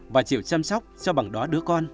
và chịu chăm sóc cho bằng đó đứa con